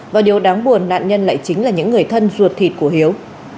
và điều đáng buồn nạn nhân lại chính là những người thân ruột thịt của hiếu